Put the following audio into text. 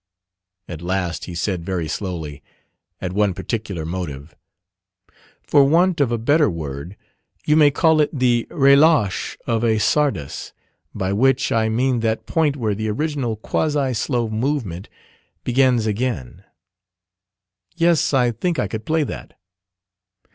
At last he said very slowly, at one particular motive for want of a better word you may call it the relâche of a csardas, by which I mean that point where the original quasi slow movement begins again "Yes, I think I could play that."